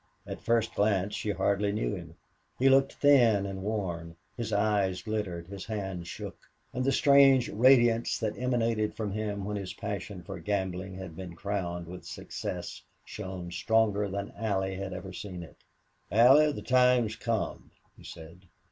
At first glance she hardly knew him. He looked thin and worn; his eyes glittered; his hands shook; and the strange radiance that emanated from him when his passion for gambling had been crowned with success shone stronger than Allie had ever seen it. "Allie, the time's come," he said.